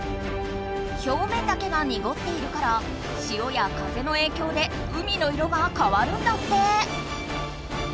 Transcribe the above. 表面だけがにごっているから潮や風のえいきょうで海の色がかわるんだって。